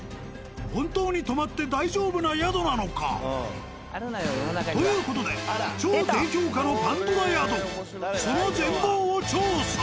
本当に泊まって大丈夫な宿なのか？という事で超低評価のパンドラ宿その全貌を調査。